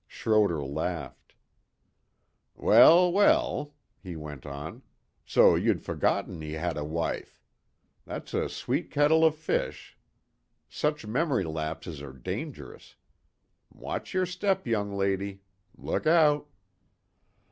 Schroder laughed. "Well, well," he went on, "so you'd forgotten he had a wife. That's a sweet kettle of fish. Such memory lapses are dangerous. Watch your step, young lady. Look out."